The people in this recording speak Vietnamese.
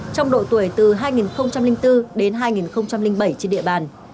trong độ tuổi từ hai nghìn bốn đến hai nghìn bảy trên địa bàn